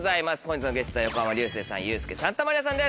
本日のゲストは横浜流星さん